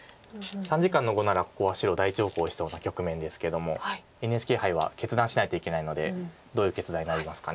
３時間の碁ならここは白大長考しそうな局面ですけどもＮＨＫ杯は決断しないといけないのでどういう決断になりますか。